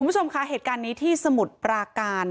คุณผู้ชมคะเหตุการณ์นี้ที่สมุทรปราการ